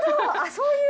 そういう。